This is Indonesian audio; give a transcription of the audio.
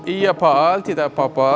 iya padahal tidak apa apa